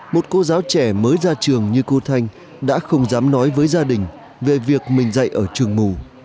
một cô giáo trẻ mới ra trường như cô thanh đã không dám nói với gia đình về việc mình dạy ở trường mù